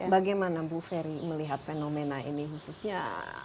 bagaimana bu ferry melihat fenomena ini khususnya